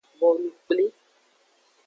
Bonu kpli.